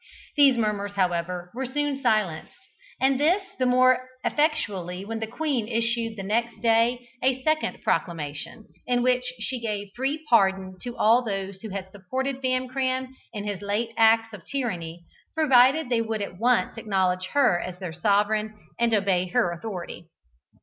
These murmurs, however, were soon silenced, and this the more effectually when the queen issued the next day a second proclamation, in which she gave free pardon to all those who had supported Famcram in his late acts of tyranny, provided they would at once acknowledge her as their sovereign and obey her authority.